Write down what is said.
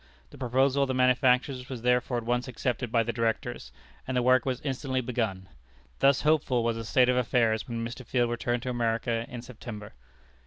The proposal of the manufacturers was therefore at once accepted by the Directors, and the work was instantly begun. Thus hopeful was the state of affairs when Mr. Field returned to America in September.